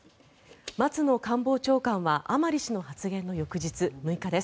松野官房長官は甘利氏の発言の翌日の６日です。